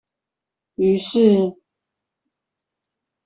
於是